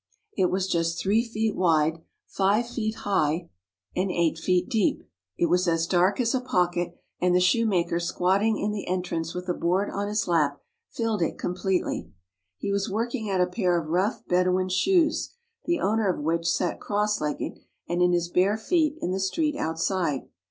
It was just three feet wide, five feet high, and eight feet deep. It was as dark as a pocket, and the shoemaker squatting in the en trance with a board on his lap filled it completely. He was working at a pair of rough Bedouin shoes the owner of which sat cross legged and in his bare feet in the street outside.